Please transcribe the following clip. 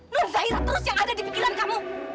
non zahira terus yang ada di pikiran kamu